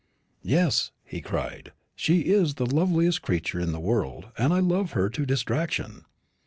"Yes," he cried, "she is the loveliest creature in the world, and I love her to distraction."